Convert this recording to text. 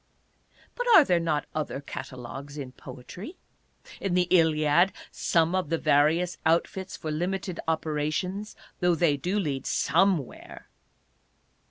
But are there not other catalogues in poetry? In the Iliad some of various outfits for limited operations, though they do lead somewhere.